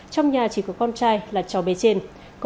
trong nhà chỉ có con trai là cháu bé trên